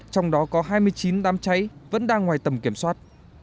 trong đó có hai mươi chín đám cháy vẫn đang ngoài tầm kiểm soát